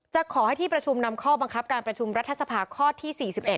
จะขอให้ที่ประชุมนำข้อบังคับการประชุมรัฐสภาข้อที่๔๑